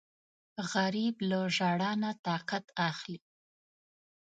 غریب له ژړا نه طاقت اخلي